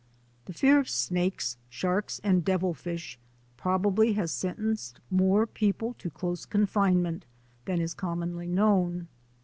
The fear of snakes, sharks, and devil fish probably has sentenced more people to close confinement than is commonly known.